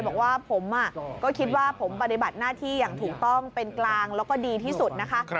บอกว่าผมก็คิดว่าผมปฏิบัติหน้าที่อย่างถูกต้องเป็นกลางแล้วก็ดีที่สุดนะคะ